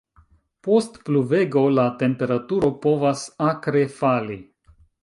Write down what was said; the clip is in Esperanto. Post pluvego, la temperaturo povas akre fali.